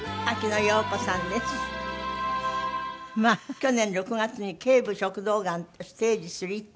去年６月に頸部食道がんステージⅢって。